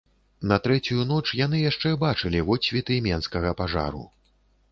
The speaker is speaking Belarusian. На трэцюю ноч яны яшчэ бачылі водсветы менскага пажару.